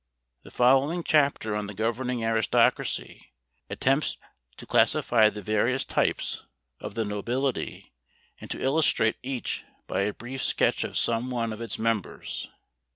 The following chapter, on the governing aristocracy, attempts to classify the various types of the nobility and to illustrate each by a brief sketch of some one of its members.